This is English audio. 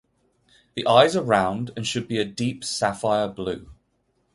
The eyes are rounded and should be a deep sapphire blue.